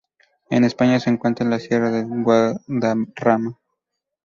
En España se encuentra en la sierra de Guadarrama.